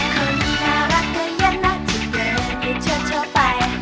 คนหารักก็ยังน่าจะเกินอย่าเชื่อเท่าไป